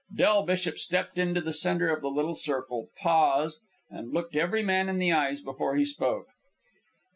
Del Bishop stepped into the centre of the little circle, paused, and looked every man in the eyes before he spoke.